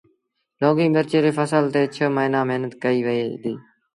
لونگي مرچ ري ڦسل تي ڇه موهيݩآݩ مهنت ڪئيٚ وهي ديٚ